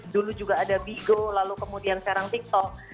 dulu juga ada bigo lalu kemudian sekarang tiktok